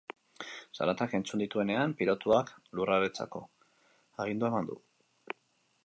Zaratak entzun dituenean, pilotuak lurreratzeko agindua eman du.